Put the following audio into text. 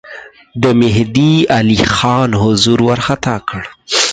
د مهدی علي خان حضور وارخطا کړ.